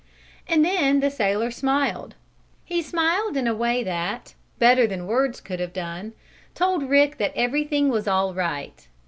And then the sailor smiled he smiled in a way that, better than words could have done, told Rick everything was all right.